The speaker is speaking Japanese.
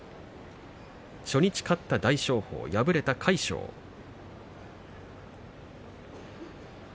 初日勝った大翔鵬敗れた魁勝です。